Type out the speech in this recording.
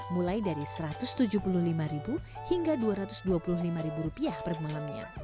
mulai dari rp satu ratus tujuh puluh lima hingga rp dua ratus dua puluh lima per malamnya